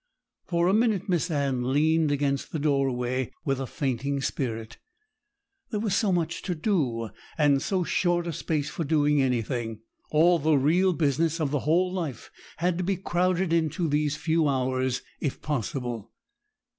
For a minute Miss Anne leaned against the doorway, with a fainting spirit. There was so much to do, and so short a space for doing anything. All the real business of the whole life had to be crowded into these few hours, if possible.